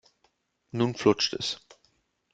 Nun flutscht es.